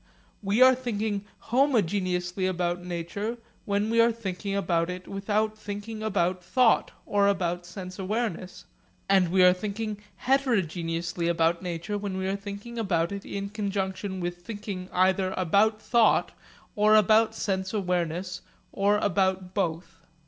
We are thinking 'homogeneously' about nature when we are thinking about it without thinking about thought or about sense awareness, and we are thinking 'heterogeneously' about nature when we are thinking about it in conjunction with thinking either about thought or about sense awareness or about both.